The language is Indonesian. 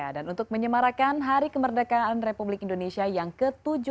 dan untuk menyemarakan hari kemerdekaan republik indonesia yang ke tujuh puluh delapan